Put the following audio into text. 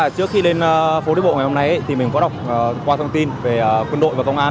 trước khi lên phố đi bộ ngày hôm nay thì mình có đọc qua thông tin về quân đội và công an